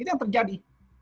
itu yang terjadi